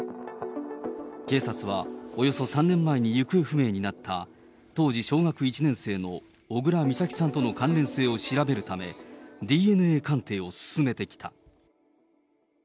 警察は、およそ３年前に行方不明になった当時小学１年生の小倉美咲さんとの関連性を調べるため、ＤＮＡ鑑定を進めてきた。